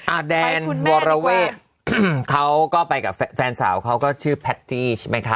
แดนวรเวทเขาก็ไปกับแฟนสาวเขาก็ชื่อแพตตี้ใช่ไหมคะ